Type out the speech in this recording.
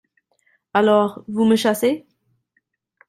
Alors, vous me chassez ?